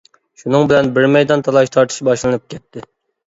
شۇنىڭ بىلەن بىر مەيدان تالاش تارتىش باشلىنىپ كەتتى.